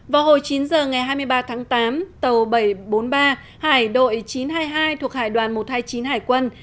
vào hồi chín giờ ngày hai mươi ba tháng tám tàu bảy trăm bốn mươi ba hải đội chín trăm hai mươi hai thuộc hải đoàn một trăm hai mươi chín hải quân